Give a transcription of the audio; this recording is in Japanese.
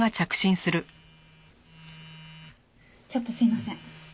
ちょっとすいません。